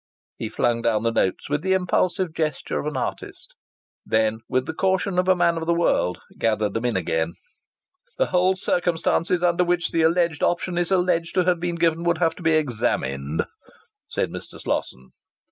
He flung down the notes with the impulsive gesture of an artist; then, with the caution of a man of the world, gathered them in again. "The whole circumstances under which the alleged option is alleged to have been given would have to be examined," said Mr. Slosson.